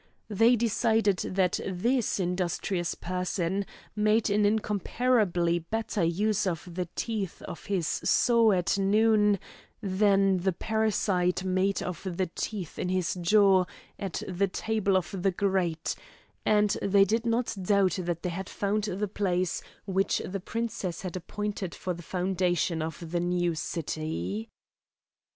They decided that this industrious person made an incomparably better use of the teeth of his saw at noon than the parasite made of the teeth in his jaws at the table of the great, and they did not doubt that they had found the place which the princess had appointed for the foundation of the new city.